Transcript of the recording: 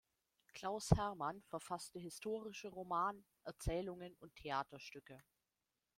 Klaus Herrmann verfasste historische Roman, Erzählungen und Theaterstücke.